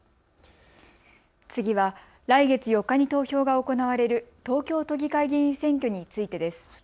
次は来月４日に投票が行われる東京都議会議員選挙についてです。